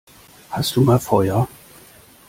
Hast du mal Feuer?